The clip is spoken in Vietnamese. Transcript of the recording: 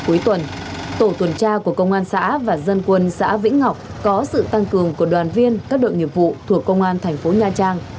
cuối tuần tổ tuần tra của công an xã và dân quân xã vĩnh ngọc có sự tăng cường của đoàn viên các đội nghiệp vụ thuộc công an thành phố nha trang